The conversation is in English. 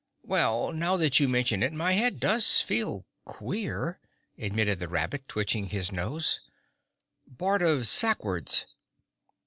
"Well, now that you mention it, my head does feel queer," admitted the rabbit, twitching his nose, "bort of sackwards!"